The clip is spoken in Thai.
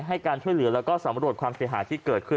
ให้การช่วยเหลือแล้วก็สำรวจความเสียหายที่เกิดขึ้น